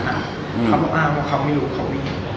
น่าว่าเขาไม่รู้เขาไม่ยิน